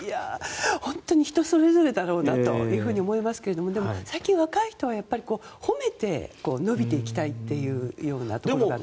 本当に人それぞれだろうなと思いますけどでも、最近若い人は褒めて伸びていきたいというようなところがある。